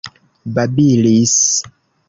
babilis